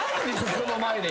この前で。